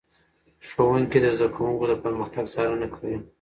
ښوونکي د زده کوونکو د پرمختګ څارنه کوي.